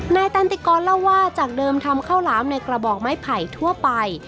นายตันติกรเล่าว่าจากเดิมทำข้าวหลามในกระบอกไม้ไผ่ทั่วไป